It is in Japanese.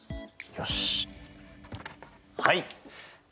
よし！